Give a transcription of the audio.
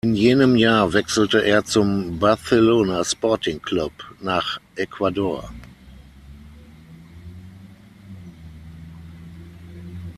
In jenem Jahr wechselte er zum Barcelona Sporting Club nach Ecuador.